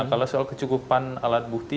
nah kalau soal kesukupan alat bukti